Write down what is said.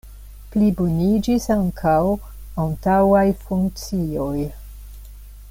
Pliboniĝis ankaŭ antaŭaj funkcioj.